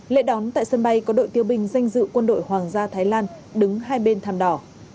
lễ đón tại sân bay có đội tiêu bình danh dự quân đội hoàng gia thái lan đứng hai bên tham đỏ